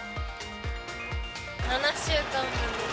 ７週間分です。